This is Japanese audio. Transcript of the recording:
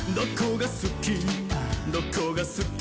「どこがすき？